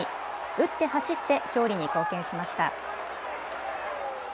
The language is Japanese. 打って走って勝利に貢献しました。